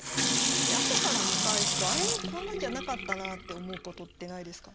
あとから見返すとあれこんなんじゃなかったなって思うことってないですか？